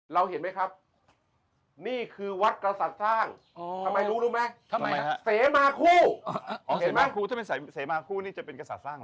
เราเห็นไหมครับนี่คือวัดกษัตริย์สร้างทำไมรู้รู้ไหมทำไมครับเสมาคู่เสมาคู่นี่จะเป็นกษัตริย์สร้าง